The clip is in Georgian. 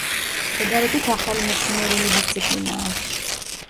შედარებით ახალი მეცნიერული დისციპლინაა.